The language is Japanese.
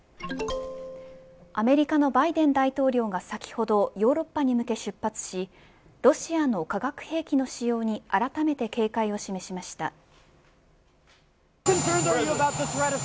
アメリカのバイデン大統領が先ほどヨーロッパに向け出発しロシアの化学兵器の使用にあらためて警戒を示しました。